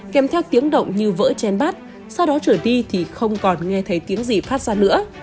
kèm theo tiếng động như vỡ chen bát sau đó trở đi thì không còn nghe thấy tiếng gì phát ra nữa